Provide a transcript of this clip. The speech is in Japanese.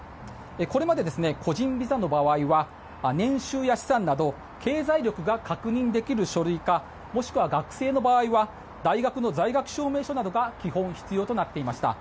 これまで、個人ビザの場合は年収や資産など経済力が確認できる書類かもしくは学生の場合は大学の在学証明書などが基本、必要となっていました。